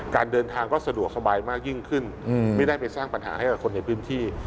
การเดินทางก็สะดวกสบายมากยิ่งขึ้นไม่ได้ไปสร้างปัญหาให้กับคนในพื้นที่